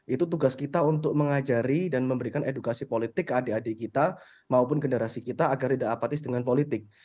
itu tugas kita untuk mengajari dan memberikan edukasi politik ke adik adik kita maupun generasi kita agar tidak apatis dengan politik